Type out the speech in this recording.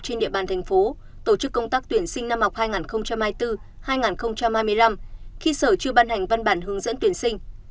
trên địa bàn thành phố tổ chức công tác tuyển sinh năm học hai nghìn hai mươi bốn hai nghìn hai mươi năm khi sở chưa ban hành văn bản hướng dẫn tuyển sinh